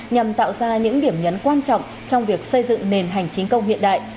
nhằm tạo ra những điểm nhấn quan trọng trong việc xây dựng nền hành chính công hiện đại